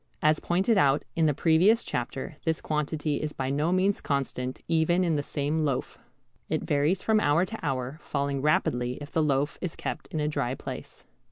As pointed out in the previous chapter this quantity is by no means constant even in the same loaf. It varies from hour to hour, falling rapidly if the loaf is kept in a dry place.